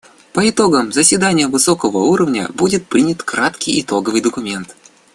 По итогам заседания высокого уровня будет принят краткий итоговый документ.